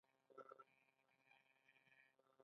ایا زه د تبې لپاره ګولۍ وخورم؟